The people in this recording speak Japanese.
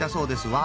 わ